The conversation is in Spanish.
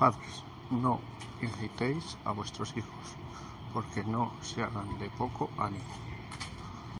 Padres, no irritéis á vuestros hijos, porque no se hagan de poco ánimo.